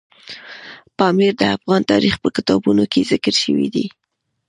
پامیر د افغان تاریخ په کتابونو کې ذکر شوی دی.